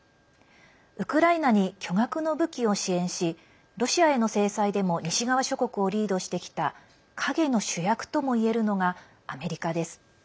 ウクライナに巨額の武器を支援しロシアへの制裁でも西側諸国をリードしてきた影の主役ともいえるのがアメリカです。